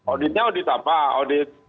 auditnya audit apa audit